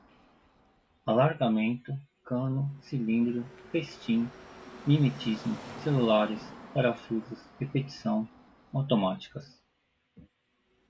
alargamento, cano, cilindro, festim, mimetismo, celulares, parafusos, repetição, automáticas